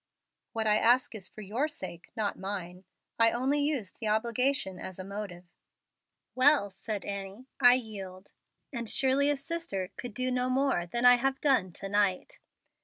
"What I ask is for your sake, not mine. I only used the obligation as a motive." "Well," said Annie, "I yield; and surely a sister could do no more than I have done to night."